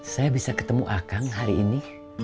saya bisa ketemu a kang hari ini